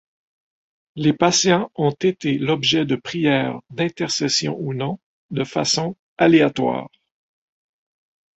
Les patients ont été l'objet de prières d'intercession ou non, de façon aléatoire.